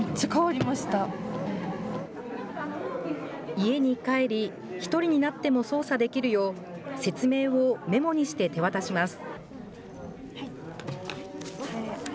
家に帰り、１人になっても操作できるよう、説明をメモにして手渡します。